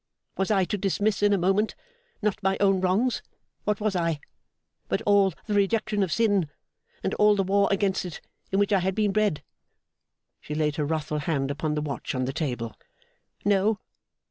Was I to dismiss in a moment not my own wrongs what was I! but all the rejection of sin, and all the war against it, in which I had been bred?' She laid her wrathful hand upon the watch on the table. 'No!